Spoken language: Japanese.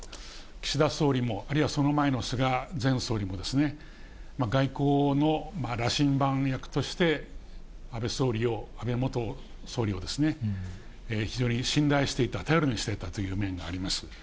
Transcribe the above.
岸田総理も、あるいはその前の菅前総理も、外交の羅針盤役として安倍総理を、安倍元総理を非常に信頼していた、頼りにしていたという面があります。